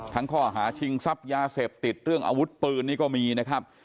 ข้อหาชิงทรัพย์ยาเสพติดเรื่องอาวุธปืนนี่ก็มีนะครับ